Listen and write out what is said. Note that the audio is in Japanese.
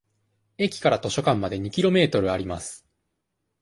駅から図書館まで二キロメートルあります。